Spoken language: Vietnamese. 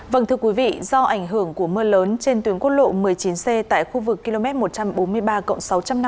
vâng thưa quý vị do ảnh hưởng của mưa lớn trên tuyến quốc lộ một mươi chín c tại khu vực km một trăm bốn mươi ba cộng sáu trăm năm mươi